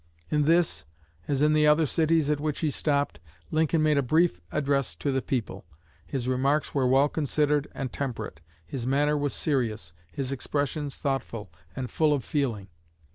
In this, as in the other cities at which he stopped, Lincoln made a brief address to the people. His remarks were well considered and temperate; his manner was serious, his expressions thoughtful and full of feeling.